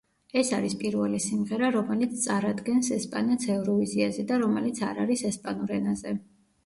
ეს არის პირველი სიმღერა, რომელიც წარადგენს ესპანეთს ევროვიზიაზე და რომელიც არ არის ესპანურ ენაზე.